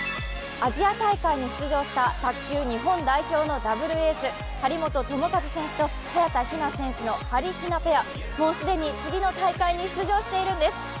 アジア大会に出場した卓球のダブルエース、張本智和選手と早田ひな選手のはりひなペア、もう既に次の大会に出場しているんです。